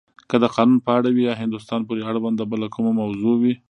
که د قانون په اړه وی یا هندوستان پورې اړونده بله کومه موضوع وی.